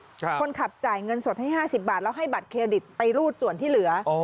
คนขับจ่ายเงินสดให้๕๐บาทแล้วให้บัตรเครดิตไปรูดส่วนที่เหลือ